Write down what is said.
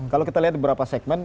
kalau kita lihat beberapa segmen